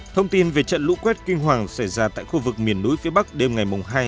thông tin về trận lũ quét kinh hoàng xảy ra tại khu vực miền núi phía bắc đêm ngày mùng hai